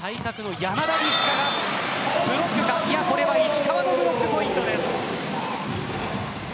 石川のブロックポイントです。